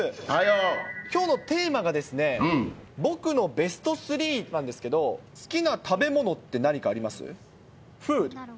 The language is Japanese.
きょうのテーマがですね、僕のベスト３なんですけど、好きな食べ物って何かあります？